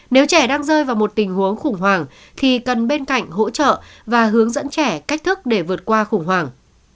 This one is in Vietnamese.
nếu trẻ đang rơi vào một tình huống khủng hoảng thì cần bên cạnh hỗ trợ và hướng dẫn trẻ cách thức để vượt qua khủng hoảng